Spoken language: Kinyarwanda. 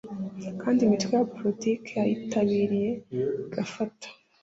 kandi imitwe ya politiki yayitabiriye igafata